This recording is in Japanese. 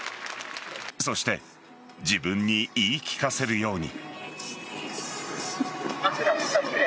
そして自分に言い聞かせるように。